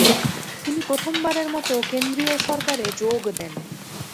তিনি প্রথমবারের মত কেন্দ্রীয় সরকারে যোগ দেন।